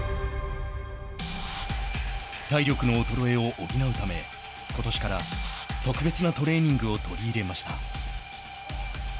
体力の衰えを補うためことしから特別なトレーニングを取り入れました。